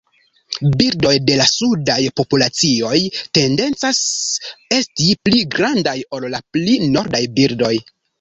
Birdoj de la sudaj populacioj tendencas esti pli grandaj ol la pli nordaj birdoj.